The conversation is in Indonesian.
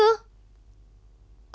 berkat bantuan semuanya termasuk adikku